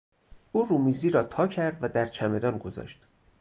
او رومیزی را تاکرد و در چمدان گذاشت.